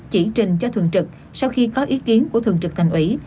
chỉ trình cho thường trực sau khi có ý kiến của thường trực thành ủy